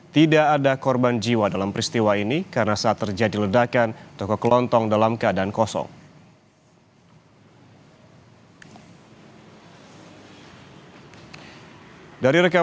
tidak ada korban jiwa dalam peristiwa ini karena saat terjadi ledakan toko kelontong dalam keadaan kosong